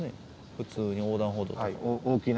普通に横断歩道とか。